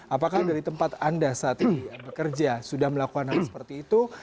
apakah dari tempat anda saat ini bekerja sudah melakukan hal seperti itu